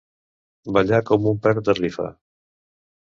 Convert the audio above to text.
Ballar com un pern de rifa.